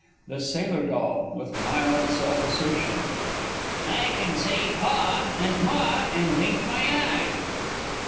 The Sailor D. (with mild self assertion). I can say "Pa" and "Ma" and wink my eye.